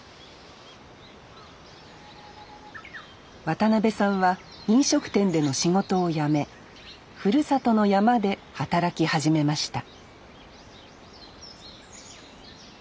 渡邉さんは飲食店での仕事を辞めふるさとの山で働き始めました